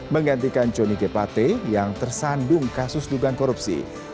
menggantikan joni gepate yang tersandung kasus dugaan korupsi